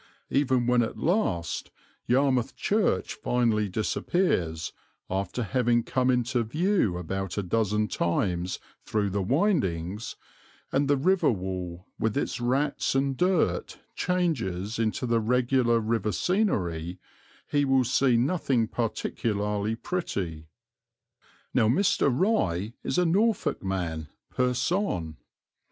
Even when at last Yarmouth Church finally disappears, after having come into view about a dozen times through the windings, and the river wall with its rats and dirt changes into the regular river scenery, he will see nothing particularly pretty." Now Mr. Rye is a Norfolk man pur sang.